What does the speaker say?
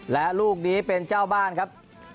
และลูกนี้เป็นเจ้าบ้านครับ